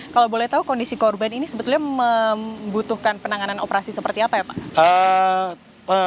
kalau boleh tahu kondisi korban ini sebetulnya membutuhkan penanganan operasi seperti apa ya pak